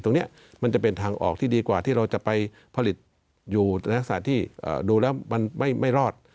ตรงนี้มันจะเป็นทางออกที่ดีกว่าที่เราจะไปผลิตอยู่ในลักษณะที่ดูแล้วมันไม่รอด